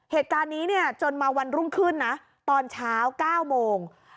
เหตุการณ์นี้เนี่ยจนมาวันรุ่งขึ้นนะตอนเช้า๙โมง